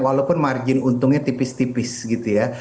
walaupun margin untungnya tipis tipis gitu ya